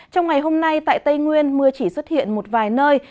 trong ngày hôm nay tại tây nguyên mưa chỉ xuất hiện một vài nơi